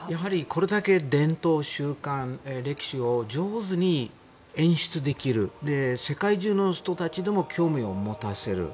これだけ伝統、習慣、歴史を上手に演出できる世界中の人たちにも興味を持たせる。